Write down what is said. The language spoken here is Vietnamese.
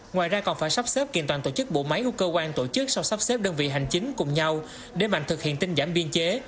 ngoài ra còn phải sắp xếp kiện toàn tổ chức bộ máy của cơ quan tổ chức sau sắp xếp đơn vị hành chính cùng nhau để mạnh thực hiện tinh giảm biên chế